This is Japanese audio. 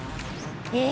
え